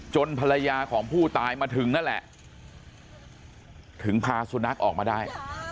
ภรรยาของผู้ตายมาถึงนั่นแหละถึงพาสุนัขออกมาได้